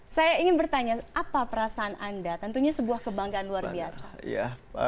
saya ingin bertanya apa perasaan anda tentunya sebuah kebanggaan luar biasa